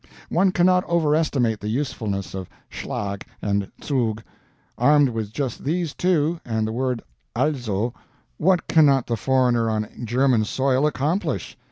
One cannot overestimate the usefulness of SCHLAG and ZUG. Armed just with these two, and the word ALSO, what cannot the foreigner on German soil accomplish?